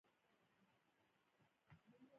د افغانستان کلچې خوږې دي